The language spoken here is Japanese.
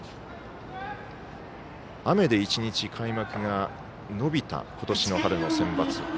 雨で１日、開幕が延びた今年の春のセンバツ。